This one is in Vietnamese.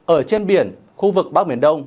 ở trên biển khu vực bắc miền đông